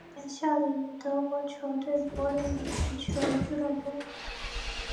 他现在效力于德国球队柏林排球俱乐部。